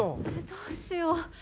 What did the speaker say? どうしよう。